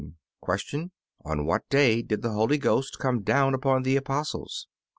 Q. On what day did the Holy Ghost come down upon the Apostles? A.